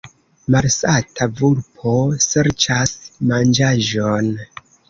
Malsata vulpo serĉas manĝaĵon.